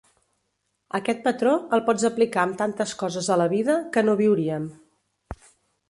Aquest patró, el pots aplicar amb tantes coses a la vida, que no viuríem.